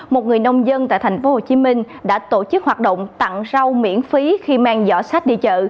một người nông dân tại tp hcm đã tổ chức hoạt động tặng rau miễn phí khi mang giỏ sách đi chợ